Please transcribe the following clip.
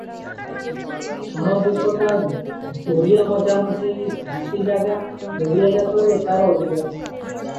ଛଣଦ୍ୱୀପଟା ଦରିଆ ମଝାମଝି ଘାଟି ଜାଗା, ଦରିଆଯାକରେ ତାର ଅଧିକାର ।